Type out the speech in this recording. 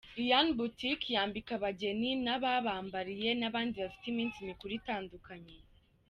Ian Boutique yambika abageni n’ababambariye n’abandi bafite iminsi mikuru itandukanye.